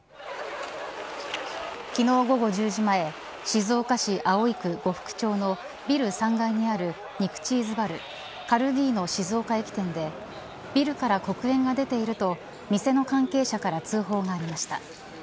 昨日午後１０時前静岡市葵区呉服町のビル３階にある肉チーズバルカルヴィーノ静岡駅店でビルから黒煙が出ていると店の関係者から通報がありました。